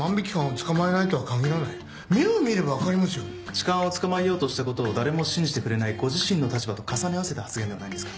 痴漢を捕まえようとしたことを誰も信じてくれないご自身の立場と重ね合わせた発言ではないんですか。